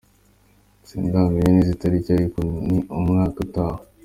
Sindamenya neza itariki ariko ni mu mwaka utaha.